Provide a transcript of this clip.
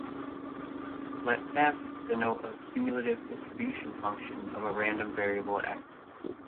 Let "F" denote a cumulative distribution function of a random variable "X".